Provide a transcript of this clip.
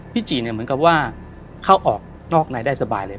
จีเนี่ยเหมือนกับว่าเข้าออกนอกในได้สบายเลย